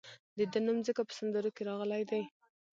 د ده نوم ځکه په سندرو کې راغلی دی.